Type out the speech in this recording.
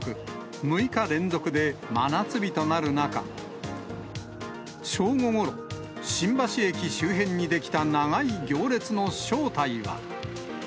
６日連続で真夏日となる中、正午ごろ、新橋駅周辺に出来た長い行列の正体は。